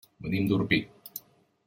Venim d'Orpí.